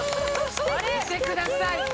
見てください。